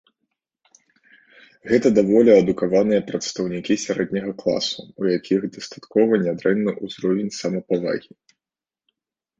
Гэта даволі адукаваныя прадстаўнікі сярэдняга класу, у якіх дастаткова нядрэнны ўзровень самапавагі.